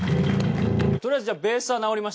とりあえずじゃあベースは直りました。